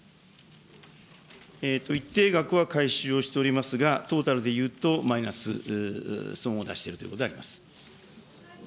一定額は回収をしておりますが、トータルでいうとマイナス、損を出してるということであります。